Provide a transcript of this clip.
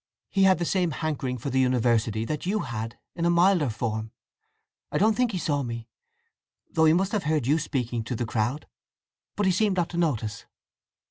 He had the same hankering for the university that you had, in a milder form. I don't think he saw me, though he must have heard you speaking to the crowd. But he seemed not to notice."